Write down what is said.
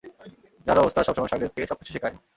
জানো, ওস্তাদ সবসময় সাগরেদকে সবকিছু শেখায়।